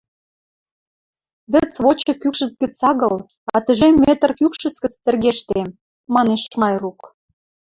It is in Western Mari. — Вӹц вочык кӱкшӹц гӹц агыл, а тӹжем метр кӱкшӹц гӹц тӹргештем, — манеш Майрук.